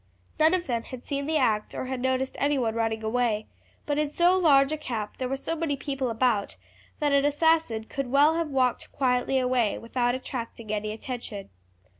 None of them had seen the act or had noticed anyone running away; but in so large a camp there were so many people about that an assassin could well have walked quietly away without attracting any attention.